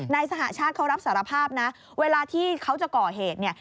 นายสหชาติเขารับสารภาพนะเวลาที่เขาจะก่อเหตุเนี่ย